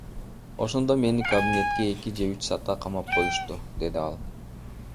Ошондо мени кабинетке эки же үч саатка камап коюшту, — деди ал.